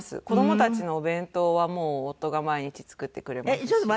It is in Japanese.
子どもたちのお弁当はもう夫が毎日作ってくれますし。